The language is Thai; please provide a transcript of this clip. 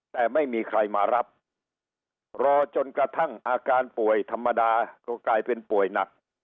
แต่ไม่มีใครมารับรอจนกระทั่งอาการป่วยธรรมดาก็กลายเป็นป่วยหนัก